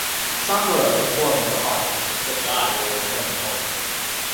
Sakura performed the Hajj, but died while returning home.